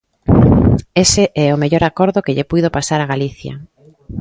Ese é o mellor acordo que lle puido pasar a Galicia.